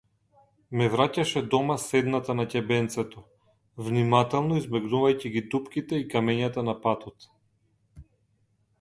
Ме враќаше дома седната на ќебенцето, внимателно избегнувајќи ги дупките и камењата на патот.